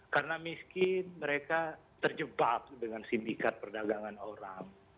karena miskin mereka terjebak dengan sindikat perdagangan orang